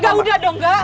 udah udah dong